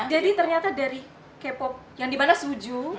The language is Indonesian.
jadi ternyata dari k pop yang dimana suju